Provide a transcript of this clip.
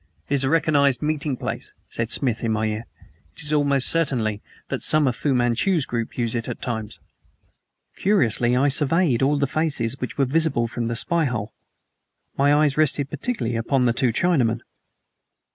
"It is a recognized meeting place," said Smith in my ear. "It is almost a certainty that some of the Fu Manchu group use it at times." Curiously I surveyed all these faces which were visible from the spy hole. My eyes rested particularly upon the two Chinamen.